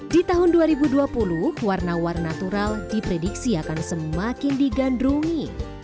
di tahun dua ribu dua puluh warna warna natural diprediksi akan semakin digandrungi